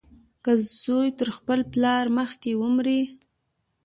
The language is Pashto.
که زوى تر خپل پلار مخکې ومري.